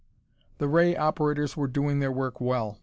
The ray operators were doing their work well.